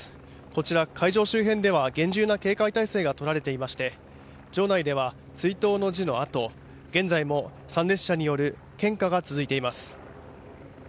こちら、会場周辺では厳重な警戒態勢がとられていまして場内では、追悼の辞のあと現在も参列者による献花が続いています。